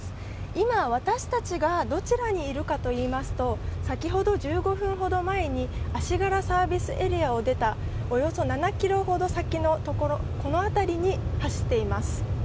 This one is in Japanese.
今、私たちがどちらにいるかといいますと先ほど１５分ほど前に足柄サービスエリアを出たおよそ７ｋｍほど先のこの辺りを走っています。